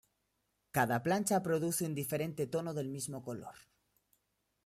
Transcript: Cada plancha produce un diferente tono del mismo color.